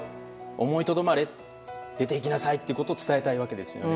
思いとどまれ出て行きなさいということを伝えたいわけですよね。